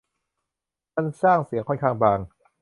มันสร้างเสียงค่อนข้างบาง